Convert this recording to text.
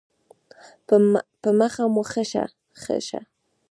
په مخه مو ښه؟